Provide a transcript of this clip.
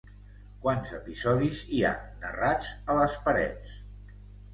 Quants episodis hi ha narrats a les parets?